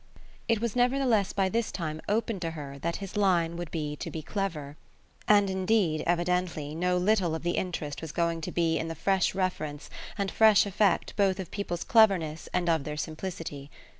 It was nevertheless by this time open to her that his line would be to be clever; and indeed, evidently, no little of the interest was going to be in the fresh reference and fresh effect both of people's cleverness and of their simplicity.